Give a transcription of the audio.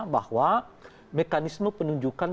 bahwa mekanisme penunjukan